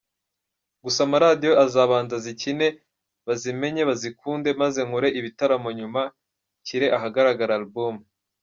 Gusa amaradiyo azabanza azikine bazimenye bazikunde, maze nkore ibitaramo nyuma nshyire ahagaragara Album.